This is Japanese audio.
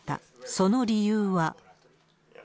その理由は。